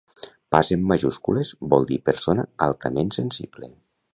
Pas en majúscules vol dir persona altament sensible